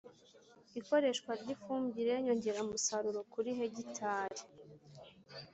ikoreshwa ry'ifumbire nyongeramusaruro kuri hegitare